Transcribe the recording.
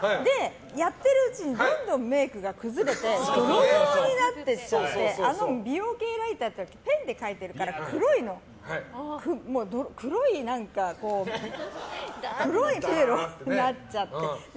やってるうちにどんどんメイクが崩れてドロドロになっていっちゃってあの美容系ライターってペンで書いてるから黒いピエロになっちゃって。